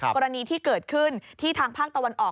กรณีที่เกิดขึ้นที่ทางภาคตะวันออก